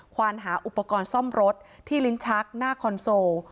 วานหาอุปกรณ์ซ่อมรถที่ลิ้นชักหน้าคอนโซล